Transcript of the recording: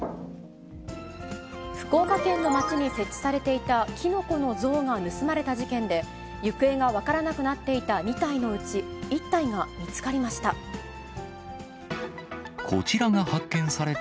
福岡県の町に設置されていたきのこの像が盗まれた事件で、行方が分からなくなっていた２体のうち１体が見つかりました。